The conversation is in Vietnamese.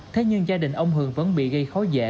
thế nhưng gia đình ông hường vẫn bị gây khó dễ